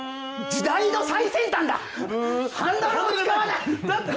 時代の最先端だ！